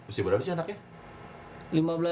usia berapa sih anaknya